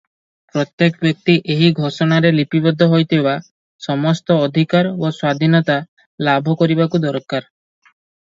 ପ୍ରତ୍ୟେକ ବ୍ୟକ୍ତି ଏହି ଘୋଷଣାରେ ଲିପିବଦ୍ଧ ହୋଇଥିବା ସମସ୍ତ ଅଧିକାର ଓ ସ୍ୱାଧୀନତା ଲାଭ କରିବାକୁ ଦରକାର ।